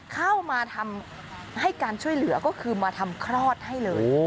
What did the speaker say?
เข้ามาทำให้การช่วยเหลือก็คือมาทำคลอดให้เลย